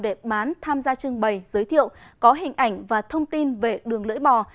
để bán tham gia trưng bày giới thiệu có hình ảnh và thông tin về đường lưỡi bò